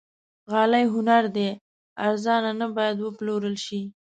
غالۍ هنر دی، ارزانه نه باید وپلورل شي.